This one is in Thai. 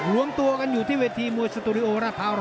รวมตัวกันอยู่ที่เวทีมวยสตูดิโอราคราว๑๐๐